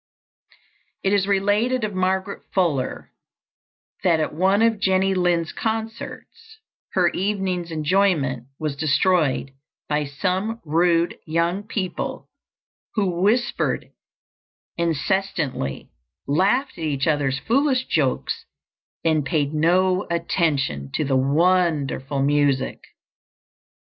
It is related of Margaret Fuller that at one of Jenny Lind's concerts her evening's enjoyment was destroyed by some rude young people who whispered incessantly, laughed at each other's foolish jokes, and paid no attention to the wonderful music.